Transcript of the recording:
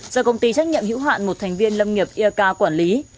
do công ty trách nhiệm hữu hoạn một thành viên lâm nghiệp eka quản lý